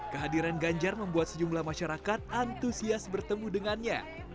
kehadiran ganjar membuat sejumlah masyarakat antusias bertemu dengannya